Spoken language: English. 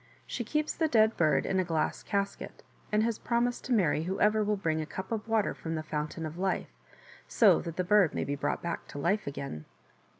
She keeps the dead bird in a glass casket, and has promised to marry whoever will bring a cup of water from the Fountain of Life, so that the bird may be brought back to life again."